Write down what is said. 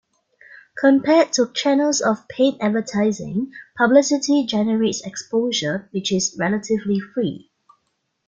Compared to channels of paid advertising, publicity generates exposure which is relatively free.